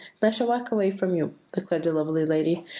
"'And I shall walk away from you,' declared the lovely lady.